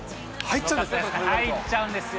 入っちゃうんですよ。